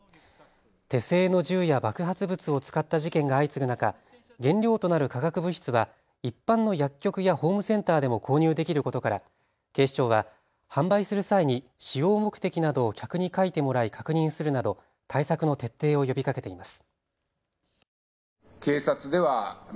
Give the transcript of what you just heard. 手製の銃や爆発物を使った事件が相次ぐ中、原料となる化学物質は一般の薬局やホームセンターでも購入できることから警視庁は販売する際に使用目的などを客に書いてもらい確認するなど対策の徹底を呼びかけています。